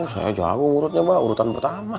saya jauh urutnya mbah urutan pertama